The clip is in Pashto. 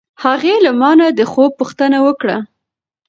هغې له ما نه د خوب پوښتنه وکړه.